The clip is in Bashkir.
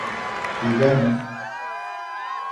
Һөйләнем.